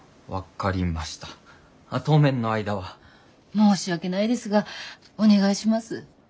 申し訳ないですがお願いします。